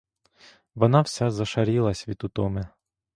Вона вся зашарілась від утоми.